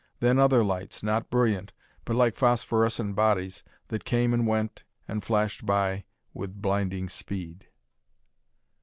Then, other lights, not brilliant, but like phosphorescent bodies, that came and went and flashed by with blinding speed.